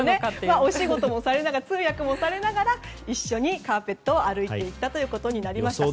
お仕事をされながら通訳をされながら一緒にカーペットを歩いていったということになりました。